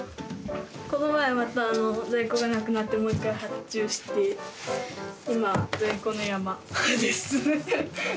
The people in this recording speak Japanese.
この前また在庫がなくなってもう一回発注して今在庫の山ですフフッ。